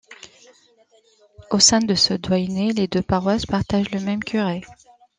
Au sein de ce doyenné, les deux paroisses partagent le même curé.